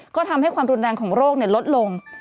ก็ทำให้ความรุนแรงของโรคลดลง